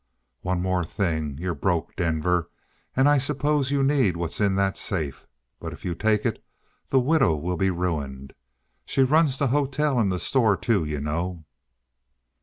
"One more thing. You're broke, Denver. And I suppose you need what's in that safe. But if you take it, the widow will be ruined. She runs the hotel and the store, too, you know."